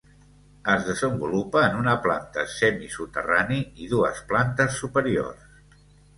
Es desenvolupa en una planta semisoterrani i dues plantes superiors.